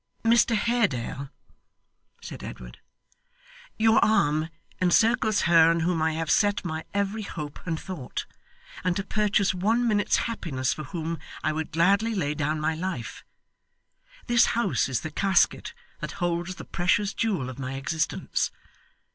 'Mr Haredale,' said Edward, 'your arm encircles her on whom I have set my every hope and thought, and to purchase one minute's happiness for whom I would gladly lay down my life; this house is the casket that holds the precious jewel of my existence.